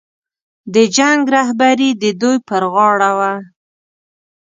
د جنګ رهبري د دوی پر غاړه وه.